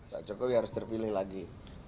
pak jokowi harus terpilih lagi